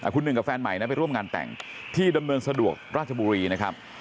คุณหนึ่งกับแฟนใหม่นะไปร่วมงานแต่งที่ดำเนินสะดวกราชบุรีนะครับ